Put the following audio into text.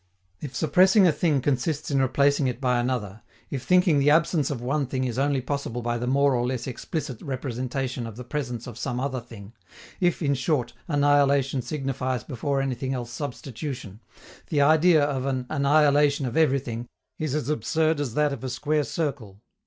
If suppressing a thing consists in replacing it by another, if thinking the absence of one thing is only possible by the more or less explicit representation of the presence of some other thing, if, in short, annihilation signifies before anything else substitution, the idea of an "annihilation of everything" is as absurd as that of a square circle.